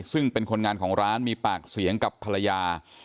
ซึ่งเป็นคนงานของร้านมีปากเสียงกับภรรยา